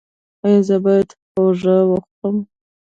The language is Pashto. ایا زه باید هوږه وخورم؟